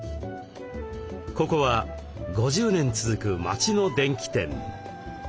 ここは５０年続く町の電気店。